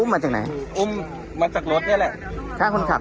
เข้าใจแต่เราจะไปไหนเราเป็นห่วง